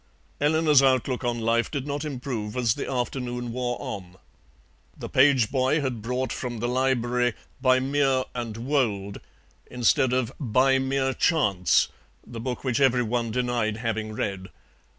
Eleanor's outlook on life did not improve as the afternoon wore on. The page boy had brought from the library BY MERE AND WOLD instead of BY MERE CHANCE, the book which every one denied having read.